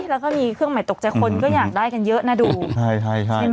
แล้วก็มีเครื่องใหม่ตกใจคนก็อยากได้กันเยอะนะดูใช่ใช่